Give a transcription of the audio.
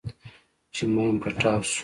چې ماين پټاو سو.